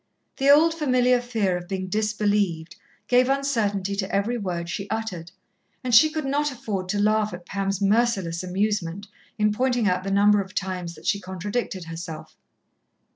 The old familiar fear of being disbelieved gave uncertainty to every word she uttered and she could not afford to laugh at Pam's merciless amusement in pointing out the number of times that she contradicted herself.